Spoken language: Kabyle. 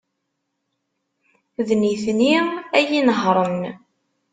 D nitni ay inehhṛen.